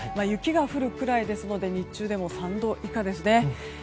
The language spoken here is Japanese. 雪が降るくらいですので日中でも３度以下ですね。